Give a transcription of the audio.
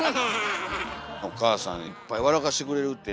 お母さんいっぱい笑かしてくれるってね。